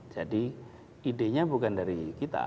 jadi idenya bukan dari kita